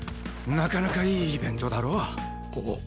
なかなかいいイベントだろ？